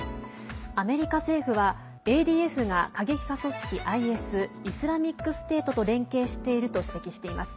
アメリカ政府はＡＤＦが過激派組織ＩＳ＝イスラミックステートと連携していると指摘しています。